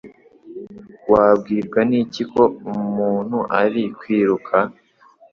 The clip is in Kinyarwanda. Wabwirwa n'iki ko umuntu ari kwiruka?